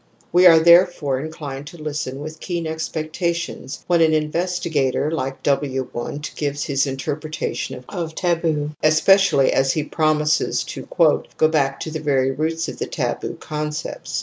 ) We are therefore inclined to listen with keen expectations when an investigator like W. Wimdt gives his interpretation of taboo, espe cially as he promises to go back to the very roots of the taboo concepts"*.